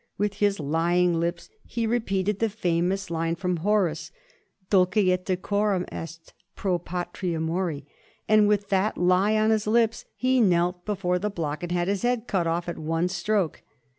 With his lying lips he re peated the famous line from Horace, " Dulce et decorum est pro patria mori," and with that lie on his lips he knelt before the block and had his head cut off at one stroke.